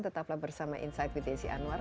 tetaplah bersama insight with desi anwar